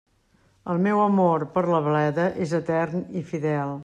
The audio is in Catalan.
El meu amor per la bleda és etern i fidel.